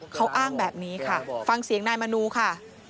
เขาอ้างแบบนี้ค่ะฟังเสียงนายมนูค่ะ